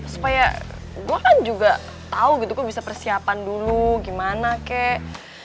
supaya gue kan juga tau gitu gue bisa persiapan dulu gimana kek